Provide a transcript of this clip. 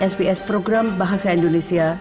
sbs program bahasa indonesia